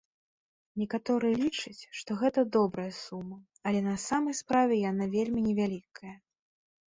Некаторыя лічаць, што гэта добрая сума, але на самай справе яна вельмі невялікая.